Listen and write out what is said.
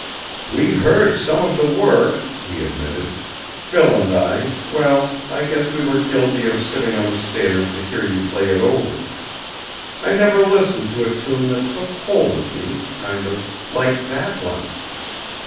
"We heard some of that work," he admitted. "Phil and I well, I guess we were guilty of sitting on the stairs to hear you play it over. I never listened to a tune that took hold of me, kind of, like that one.